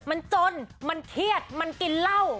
มันจนมันเครียดมันกินเหล้า